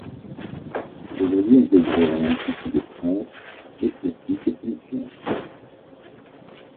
Aujourd'hui intégrée à l'Institut de France, elle poursuit cette mission.